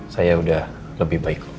saya udah lebih baik